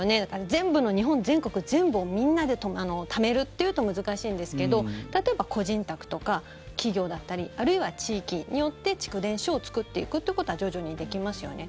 全部の、日本全国全部をみんなでためるっていうと難しいんですけど例えば、個人宅とか企業だったりあるいは地域によって蓄電所を作っていくというのは徐々にできますよね。